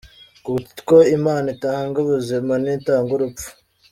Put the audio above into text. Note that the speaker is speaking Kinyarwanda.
Kuko Imana itanga ubuzima ntitanga urupfu.